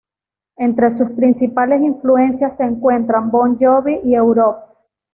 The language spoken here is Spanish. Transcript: Entre sus principales influencias se encuentran Bon Jovi y Europe.